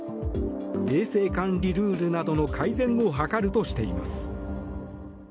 衛生管理ルールなどの改善を図るとしています。